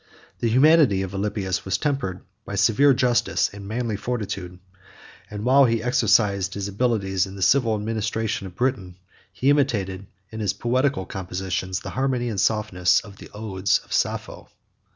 75 The humanity of Alypius was tempered by severe justice and manly fortitude; and while he exercised his abilities in the civil administration of Britain, he imitated, in his poetical compositions, the harmony and softness of the odes of Sappho.